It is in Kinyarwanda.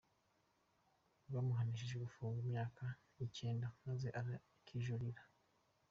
Rwamuhanishije gufungwa imyaka icyenda maze arakijuririra.